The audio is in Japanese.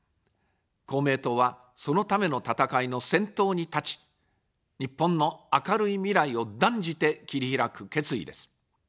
公明党は、そのための闘いの先頭に立ち、日本の明るい未来を断じて切り開く決意です。